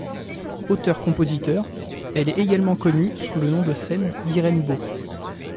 Auteur compositeur, elle est également connue sous le nom de scène d'Iren Bo.